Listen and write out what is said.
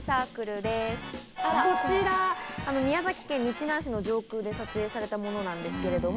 こちら宮崎県日南市の上空で撮影されたものなんですけれども。